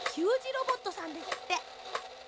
ロボットさんですって。